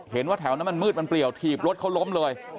เห็นว่าแถวนั้นมันมืดมันเปลี่ยวถีบรถเขาล้มเลย